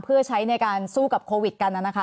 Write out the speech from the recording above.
เพื่อใช้ในการสู้กับโควิดกันนะคะ